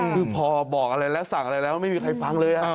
คือพอบอกอะไรแล้วสั่งอะไรแล้วไม่มีใครฟังเลย